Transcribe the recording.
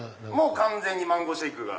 完全にマンゴーシェークが。